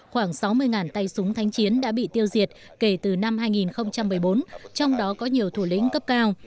khoảng sáu mươi tay súng thanh chiến đã bị tiêu diệt kể từ năm hai nghìn một mươi bốn trong đó có nhiều thủ lĩnh cấp cao